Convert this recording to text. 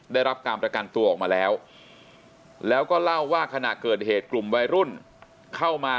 ได้รับการประกันตัวออกมาแล้วแล้วก็เล่าว่าขณะเกิดเหตุกลุ่มวัยรุ่นเข้ามา